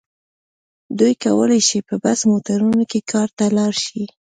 دوی کولای شي په بس موټرونو کې کار ته لاړ شي.